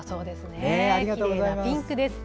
きれいなピンクです。